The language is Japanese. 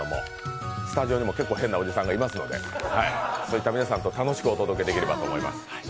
スタジオにも結構変なおじさんがいますので楽しくお届けできればと思います。